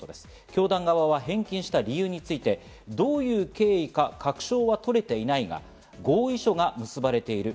教団側は返金した理由についてどういう経緯か、確証は取れていないが合意書が結ばれている。